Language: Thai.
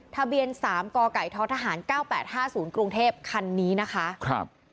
ทะเบียนสามกไก่ท้อทหารเก้าแปดห้าศูนย์กรุงเทพคันนี้นะคะครับ